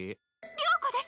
☎了子です。